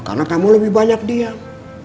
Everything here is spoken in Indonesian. karena kamu lebih banyak diam